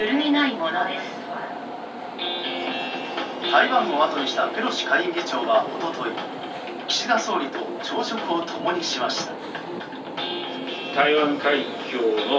台湾をあとにしたペロシ下院議長は一昨日、岸田総理と朝食を共にしました。